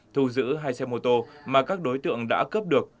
thu giữ hai xe mô tô mà các đối tượng đã cướp được